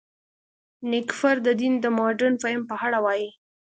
نېکفر د دین د مډرن فهم په اړه وايي.